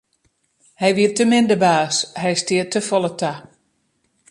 Hy wie te min de baas, hy stie te folle ta.